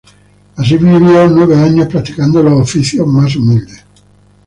Así vivió nueve años, practicando los oficios más humildes.